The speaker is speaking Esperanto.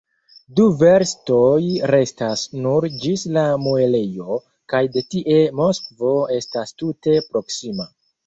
Du verstoj restas nur ĝis la muelejo, kaj de tie Moskvo estas tute proksima.